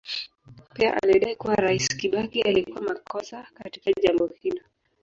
Pia alidai kuwa Rais Kibaki alikuwa makosa katika jambo hilo.